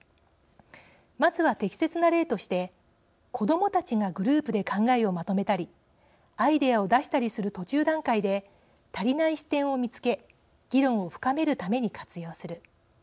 まずは適切な例として子どもたちがグループで考えをまとめたりアイデアを出したりする途中段階で足りない視点を見つけ議論を深めるために活用する。